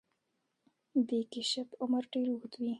د کیشپ عمر ډیر اوږد وي